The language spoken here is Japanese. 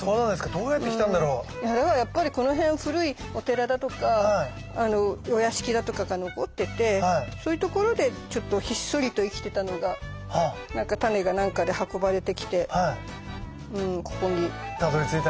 どうやって来たんだろう？だからやっぱりこの辺古いお寺だとかお屋敷だとかが残っててそういう所でひっそりと生きてたのがタネが何かで運ばれてきてここにたどりついたのかな。